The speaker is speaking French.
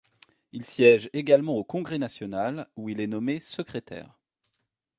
Il siège également au Congrès national, où il est nommé secrétaire.